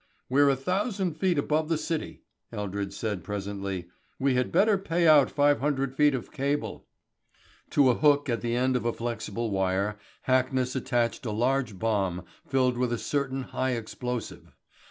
"We're a thousand feet above the city," Eldred said presently. "We had better pay out five hundred feet of cable." To a hook at the end of a flexible wire Hackness attached a large bomb filled with a certain high explosive.